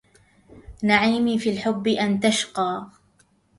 نعيمي في الحب أن تشقى